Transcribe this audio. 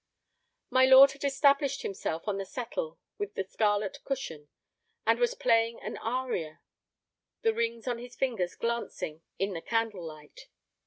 My lord had established himself on the settle with the scarlet cushion, and was playing an aria, the rings on his fingers glancing in the candle light.